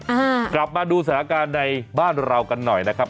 อ่ากลับมาดูสถานการณ์ในบ้านเรากันหน่อยนะครับ